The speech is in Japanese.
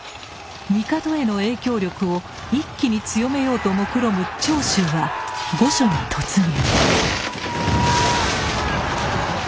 帝への影響力を一気に強めようともくろむ長州は御所に突入。